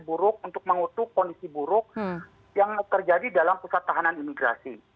buruk untuk mengutuk kondisi buruk yang terjadi dalam pusat tahanan imigrasi